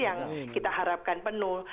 yang kita harapkan penuh